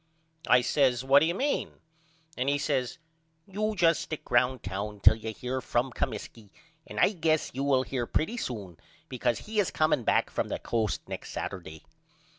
I says What do you mean? And he says You just stick round town till you hear from Comiskey and I guess you will hear pretty soon because he is comeing back from the Coast next Saturday.